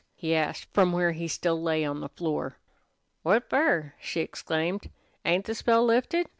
he asked from where he still lay on the floor. "What fer?" she exclaimed. "Ain't the spell lifted?